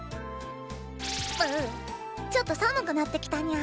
ううちょっと寒くなってきたにゃ。